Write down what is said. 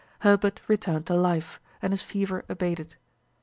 Herbert returned to life, and his fever abated.